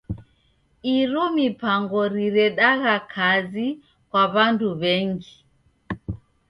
Iro mipango riredagha kazi kwa w'andu w'engi.